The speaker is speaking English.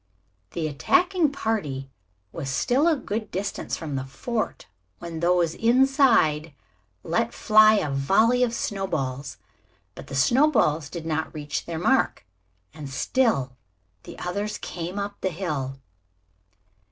The attacking party was still a good distance from the fort when those inside let fly a volley of snowballs. But the snowballs did not reach their mark, and still the others came up the hill.